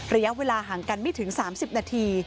ระยะเวลาห่างกันไม่ถึง๓๐นาที